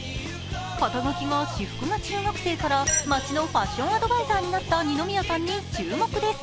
肩書きが私服が中学生から街のファッションアドバイザーになった二宮さんに注目です。